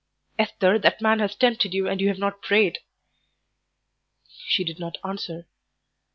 "Esther, that man has tempted you, and you have not prayed." She did not answer.